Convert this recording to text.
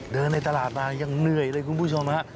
เดินในตลาดนะยังเหนื่อยเลยคุณผู้ชมครับ